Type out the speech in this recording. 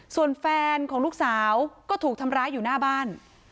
ส่วนแฟนของลูกสาวก็ถูกทำร้ายอยู่หน้าบ้าน